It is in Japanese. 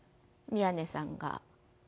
宮根さんが。